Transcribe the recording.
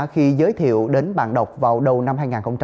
khi giới thiệu đến bản đọc vào đầu năm hai nghìn hai mươi